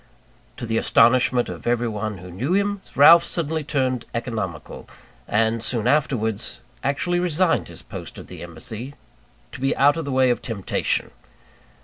To the astonishment of everyone who knew him, Ralph suddenly turned economical; and, soon afterwards, actually resigned his post at the embassy, to be out of the way of temptation!